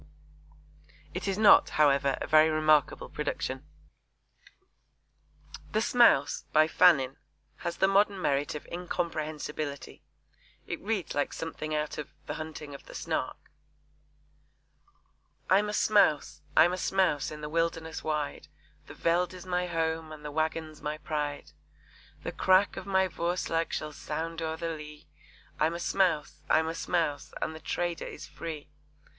It is not, however, a very remarkable production. The Smouse, by Fannin, has the modern merit of incomprehensibility. It reads like something out of The Hunting of the Snark: I'm a Smouse, I'm a Smouse in the wilderness wide, The veld is my home, and the wagon's my pride: The crack of my 'voerslag' shall sound o'er the lea, I'm a Smouse, I'm a Smouse, and the trader is free!